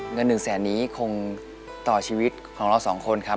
เงิน๑แสนนี้คงต่อชีวิตของเราสองคนครับ